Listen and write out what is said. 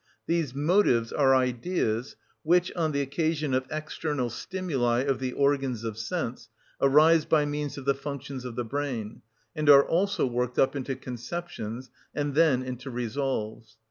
These motives are ideas, which, on the occasion of external stimuli of the organs of sense, arise by means of the functions of the brain, and are also worked up into conceptions, and then into resolves.